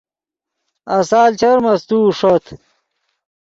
آسال چر مستوؤ ݰوت